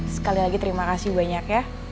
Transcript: sekali lagi terima kasih banyak ya